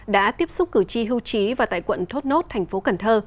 đã tiếp xúc cử tri hưu trí và tại quận thốt nốt tp cn